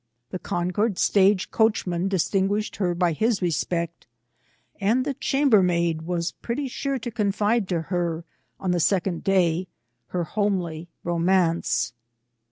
The Concord stage coachman distinguished her by his respect, and the chambermaid was pretty sure to confide to her, on the second day, her homely romance.